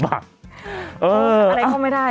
อะไรเข้าไม่ได้